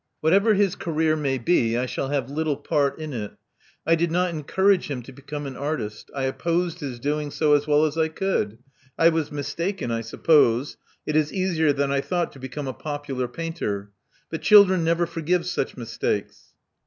Whatever his career may be, I shall have little part in it. I did not encourage him to become an artist. I opposed his doing so as well as I could. I was mis taken, I suppose: it is easier than I thought to become a popular painter. But children never forgive such mistakes."